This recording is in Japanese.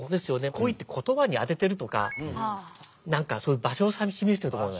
恋って言葉に当ててるとか何かそういう場所を指し示してると思います。